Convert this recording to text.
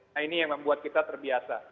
nah ini yang membuat kita terbiasa